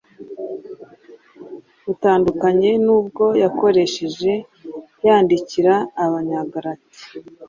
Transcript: butandukanye n’ubwo yakoresheje yandikira Abanyagalati!